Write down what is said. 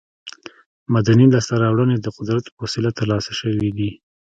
مدني لاسته راوړنې د قدرت په وسیله تر لاسه شوې دي.